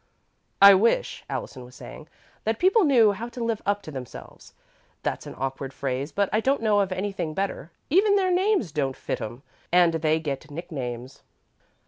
"I wish," Allison was saying, "that people knew how to live up to themselves. That's an awkward phrase, but I don't know of anything better. Even their names don't fit 'em, and they get nicknames."